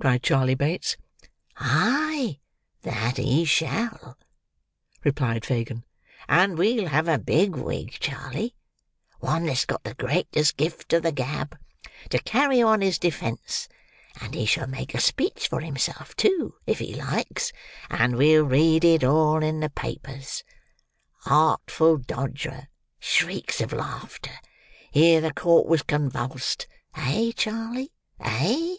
cried Charley Bates. "Ay, that he shall," replied Fagin, "and we'll have a big wig, Charley: one that's got the greatest gift of the gab: to carry on his defence; and he shall make a speech for himself too, if he likes; and we'll read it all in the papers—'Artful Dodger—shrieks of laughter—here the court was convulsed'—eh, Charley, eh?"